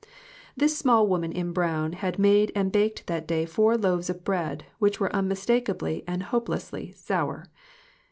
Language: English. This small woman in brown had made and baked that day four loaves of bread which were unmistakably and hopelessly sour.